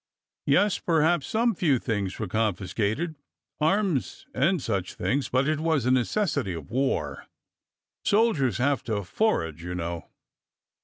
... Yes, perhaps some few things were confiscated,— arms, and such things, 420 ORDER NO. 11 —but it was a necessity of war. Soldiers have to forage, you know."